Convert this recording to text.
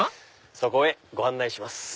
そこへご案内します。